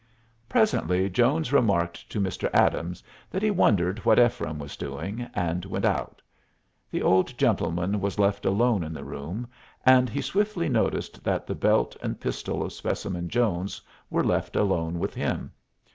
Presently Jones remarked to Mr. Adams that he wondered what Ephraim was doing, and went out. The old gentleman was left alone in the room, and he swiftly noticed that the belt and pistol of Specimen Jones were left alone with him.